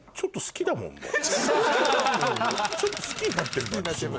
ちょっと好きになってるの私もう。